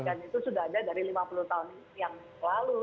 dan itu sudah ada dari lima puluh tahun yang lalu